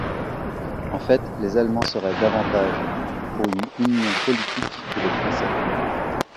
En fait, les Allemands seraient davantage pour une union politique que les Français.